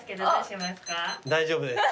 大丈夫です。